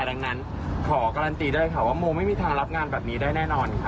ดังนั้นขอการันตีด้วยค่ะว่าโมไม่มีทางรับงานแบบนี้ได้แน่นอนค่ะ